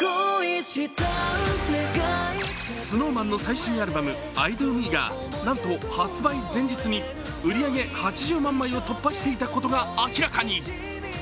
ＳｎｏｗＭａｎの最新アルバム「ｉＤＯＭＥ」がなんと発売前日に売り上げ８０万枚を突破していたことが明らかに。